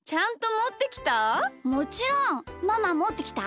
もちろん！ママもってきた？